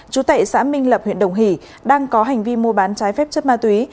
chú tệ xã minh lập huyện đồng hỷ đang có hành vi mua bán trái phép chất ma túy